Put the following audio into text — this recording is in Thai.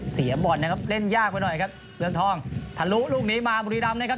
เสียบอลนะครับเล่นยากไปหน่อยครับเมืองทองทะลุลูกนี้มาบุรีรำนะครับ